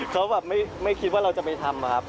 เขาแบบไม่คิดว่าเราจะไปทำอะครับ